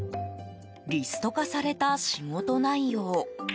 リスト化された仕事内容。